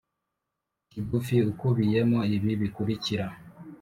kigufi akubiyemo ibi bikurikira